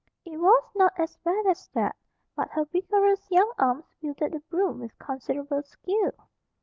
It was not as bad as that, but her vigorous young arms wielded the broom with considerable skill.